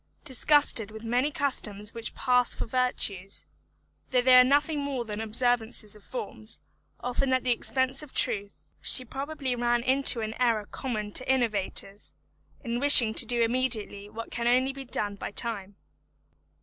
Disgusted with many customs which pass for virtues, though they are nothing more than observances of forms, often at the expense of truth, she probably ran into an error common to innovators, in wishing to do immediately what can only be done by time.